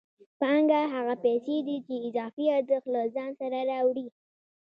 پانګه هغه پیسې دي چې اضافي ارزښت له ځان سره راوړي